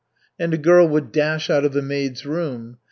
And a girl would dash out of the maids' room.